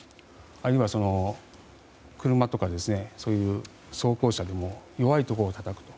あるいは、車とかそういう装甲車でも弱いところをたたくと。